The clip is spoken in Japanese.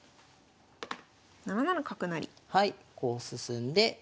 こう進んで。